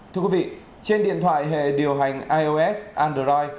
thưa quý vị trên điện thoại hệ điều hành ios android